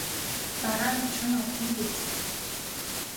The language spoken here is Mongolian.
Дараа нь учир нь олдоно биз.